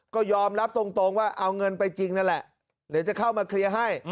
ก็ยอมรับตรงว่าเอาเงินไปจริงนั่นแหละเดี๋ยวจะเข้ามาเคลียร์ให้